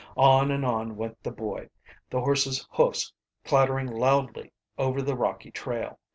On and on went the boy, the horses' hoofs clattering loudly over the rocky trail.